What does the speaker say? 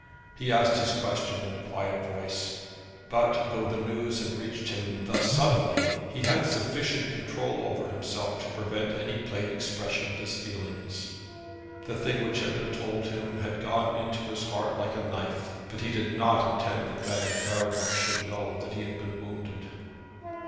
He asked his question in a quiet voice; but, though the news had reached him thus suddenly, he had sufficient control over himself to prevent any plain expression of his feelings. The thing which had been told him had gone into his heart like a knife; but he did not intend that Madame Faragon should know that he had been wounded.